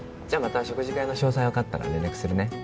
じゃあまた食事会の詳細分かったら連絡するね